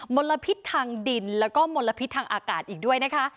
ลพิษทางดินแล้วก็มลพิษทางอากาศอีกด้วยนะคะ